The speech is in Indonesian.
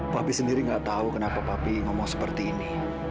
papi sendiri gak tau kenapa papi ngomong seperti ini